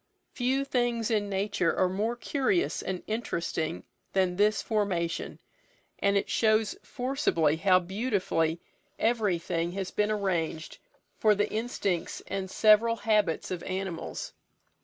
Few things in nature are more curious and interesting than this formation, and it shows forcibly how beautifully everything has been arranged for the instincts and several habits of animals.